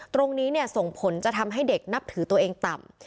ตรงนี้ส่งผลจะทำให้เด็กนับถือตัวเองต่ำ